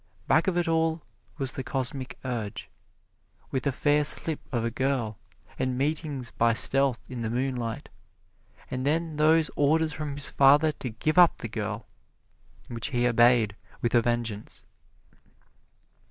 Back of it all was the Cosmic Urge, with a fair slip of a girl, and meetings by stealth in the moonlight; and then those orders from his father to give up the girl, which he obeyed with a vengeance.